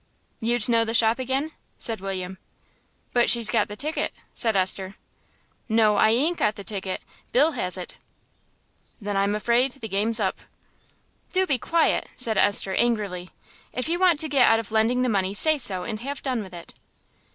"You'd know the shop again?" said William. "But she's got the ticket," said Esther. "No, I ain't got the ticket; Bill has it." "Then I'm afraid the game's up." "Do be quiet," said Esther, angrily. "If you want to get out of lending the money say so and have done with it."